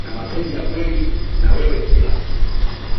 na mapenzi ya kweli na wewe Kila